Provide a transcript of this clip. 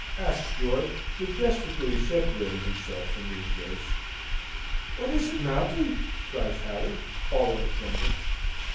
asks George, majestically separating himself from the embrace. "What is it, Mounty?" cries Harry, all of a tremble.